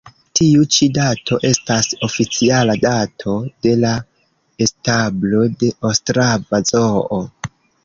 Tiu ĉi dato estas oficiala dato de la establo de ostrava zoo.